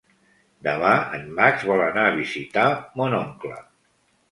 Demà en Max vol anar a visitar mon oncle.